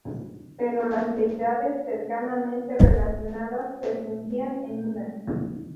Pero las deidades cercanamente relacionadas se fundían en una.